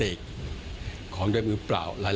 โอเคครับ